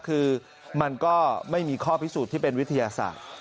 คือมันก็ไม่มีข้อพิสูจน์ที่เป็นวิทยาศาสตร์